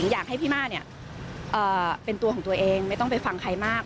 อยากให้พี่ม่าเนี่ยเป็นตัวของตัวเองไม่ต้องไปฟังใครมาก